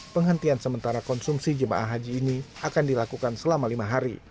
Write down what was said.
penghentian sementara konsumsi jemaah haji ini akan dilakukan selama lima hari